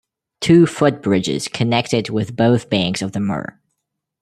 Two footbridges connect it with both banks of the Mur.